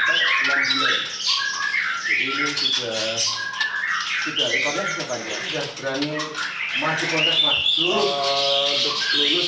untuk yang bulet sendiri ini umur empat enam bulan